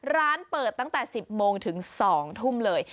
ร้านเปิดตั้งแต่๑๐โมงถึง๒ทุ่มเลย